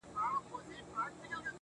زما پر مخ بــانــدي د اوښــــــكــــــو_